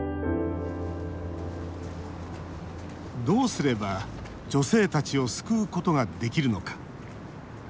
どうすれば女性たちを救うことができるのか。